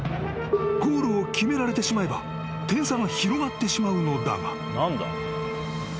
［ゴールを決められてしまえば点差が広がってしまうのだが］